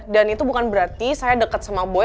dan itu bukan berarti saya dekat sama boy